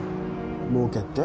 もうけって？